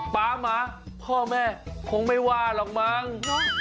ป๊าหมาพ่อแม่คงไม่ว่าหรอกมั้ง